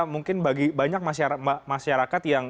mungkin bagi banyak masyarakat yang